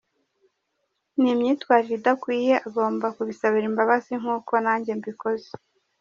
Ni imyitwarire idakwiye, agomba kubisabira imbabazi nk’uko nanjye mbikoze.”